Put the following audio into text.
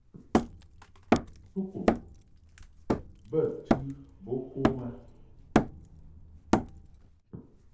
Tukum bə tɨ bo kom a .